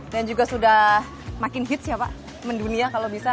dan juga sudah makin hits ya pak mendunia kalau bisa